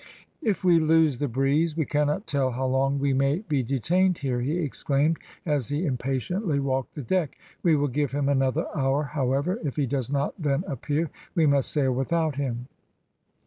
"If we lose the breeze, we cannot tell how long we may be detained here," he exclaimed, as he impatiently walked the deck. "We will give him another hour, however; if he does not then appear we must sail without him."